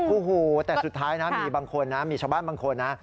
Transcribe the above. โอ้โหแต่สุดท้ายนะมีบางคนนะมีชาวบ้านบางคนนะ